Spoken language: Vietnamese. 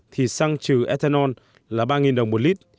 thì xăng trừ ethanol là ba đồng một lit